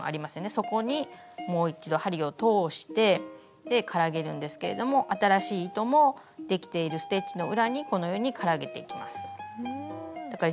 そこにもう一度針を通してからげるんですけれども新しい糸もできているステッチの裏にこのようにからげていきます。